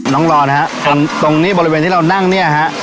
รอนะฮะตรงตรงนี้บริเวณที่เรานั่งเนี่ยฮะ